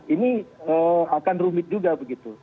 ini akan rumit juga begitu